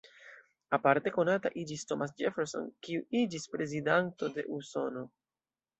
Aparte konata iĝis Thomas Jefferson, kiu iĝis prezidanto de Usono.